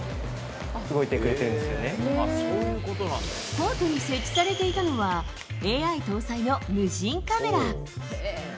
コートに設置されていたのはＡＩ搭載の無人カメラ。